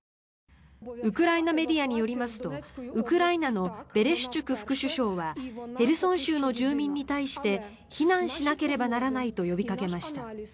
ウクライナメディアによりますとウクライナのベレシュチュク副首相はヘルソン州の住民に対して避難しなければならないと呼びかけました。